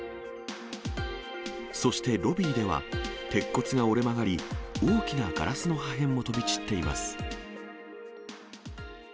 そしてロビーでは、鉄骨が折れ曲がり、大きなガラスの破片も飛び散っています。